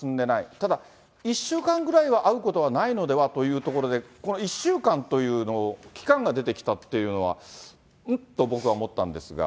ただ、１週間ぐらいは会うことはないのではというところで、この１週間というのを、期間が出てきたというのは、ん？